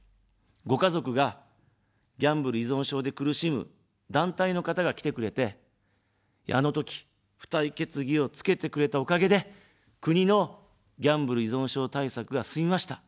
ご家族がギャンブル依存症で苦しむ団体の方が来てくれて、あのとき、付帯決議をつけてくれたおかげで国のギャンブル依存症対策が進みました。